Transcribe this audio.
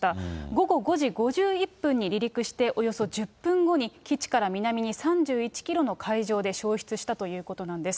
午後５時５１分に離陸して、およそ１０分後に基地から南に３１キロの海上で消失したということなんです。